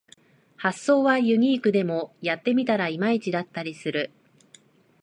発想はユニークでもやってみたらいまいちだったりする